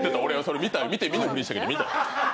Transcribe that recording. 見て見ぬふりしたけど俺は見たよ。